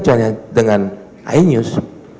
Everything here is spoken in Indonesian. cuma dengan inews